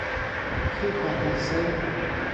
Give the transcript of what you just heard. ښي خواته ځئ